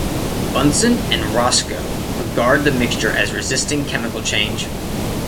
Bunsen and Roscoe regard the mixture as resisting chemical change.